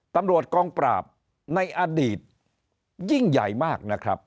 ตำรวจกองปราบในอดีตยิ่งใหญ่มากนะครับ